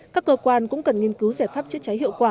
các cơ quan cũng cần nghiên cứu giải pháp chữa cháy hiệu quả